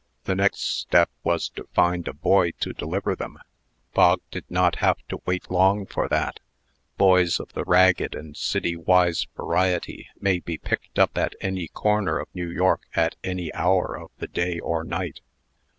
The next step was to find a boy to deliver them. Bog did not have to wait long for that. Boys of the ragged and city wise variety may be picked up at any corner of New York at any hour of the day or night.